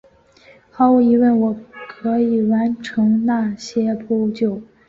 毫无疑问我可以完成那些扑救！